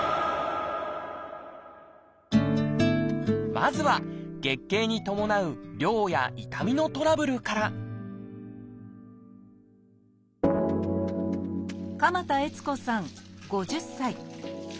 まずは月経に伴う量や痛みのトラブルから鎌田悦子さん５０歳。